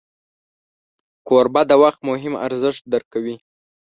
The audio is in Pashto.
کوربه د وخت مهم ارزښت درک کوي.